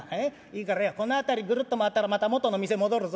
いいからよこの辺りぐるっと回ったらまたもとの店戻るぞ。